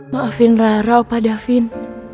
maafin rara pak davin